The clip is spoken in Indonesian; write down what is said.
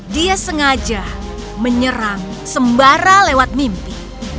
dia sengaja menyerang sembara lewat mimpi